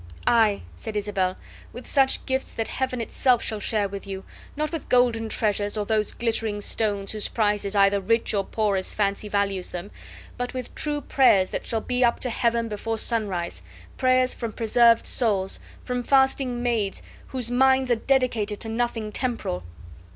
"Aye," said Isabel, "with such gifts that Heaven itself shall share with you; not with golden treasures, or those glittering stones whose price is either rich or poor as fancy values them, but with true prayers that shall be up to Heaven before sunrise prayers from preserved souls, from fasting maids whose minds are dedicated to nothing temporal."